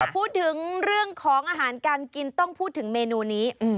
พูดถึงเรื่องของอาหารการกินต้องพูดถึงเมนูนี้